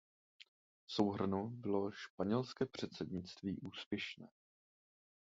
V souhrnu bylo španělské předsednictví úspěšné.